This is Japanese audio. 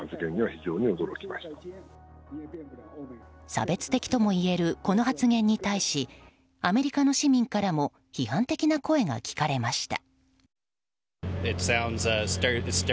差別的ともいえるこの発言に対しアメリカの市民からも批判的な声が聞かれました。